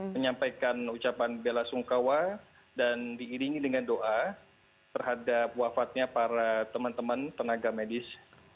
menyampaikan ucapan bela sungkawa dan diiringi dengan doa terhadap wafatnya para teman teman tenaga medis